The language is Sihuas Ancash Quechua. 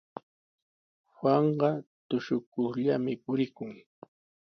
Juanqa tushukurllami purikun.